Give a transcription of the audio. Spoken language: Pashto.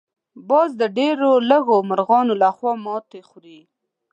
باز د ډېر لږو مرغانو لخوا ماتې خوري